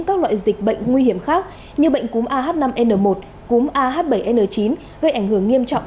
các loại dịch bệnh nguy hiểm khác như bệnh cúm ah năm n một cúm ah bảy n chín gây ảnh hưởng nghiêm trọng